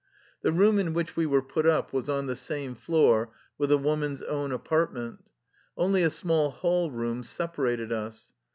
The room in which we were put up was on the same floor with the woman's own apartment. Only a small hall room separated us.